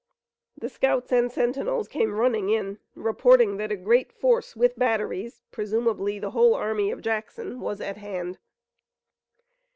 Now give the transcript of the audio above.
The scouts and sentinels came running in, reporting that a great force with batteries, presumably the whole army of Jackson, was at hand.